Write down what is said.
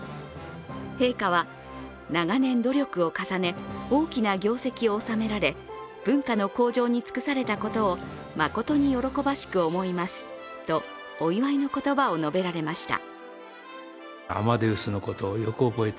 陛下は長年努力を重ね大きな業績をおさめられ文化の向上に尽くされたことを誠に喜ばしく思いますとお祝いの言葉を述べられました。